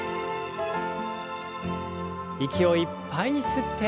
息をいっぱいに吸って。